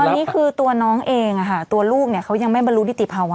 แต่ตอนนี้คือตัวน้องเองอะค่ะตัวลูกเนี่ยเขายังไม่บรรลุดิติภาวะ